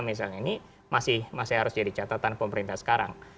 misalnya ini masih harus jadi catatan pemerintah sekarang